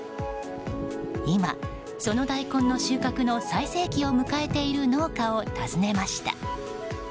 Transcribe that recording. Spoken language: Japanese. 今、その大根の収穫の最盛期を迎えている農家を訪ねました。